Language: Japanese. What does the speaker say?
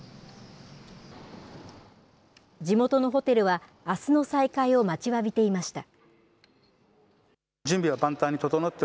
地元のホテルは、あすの再開を待ちわびていました。